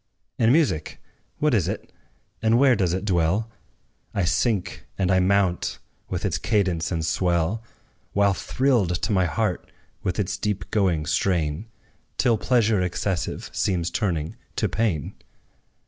And music what is it? and where does it dwell? I sink, and I mount, with its cadence and swell, While thrilled to my heart, with its deep going strain, Till pleasure excessive seems turning to pain.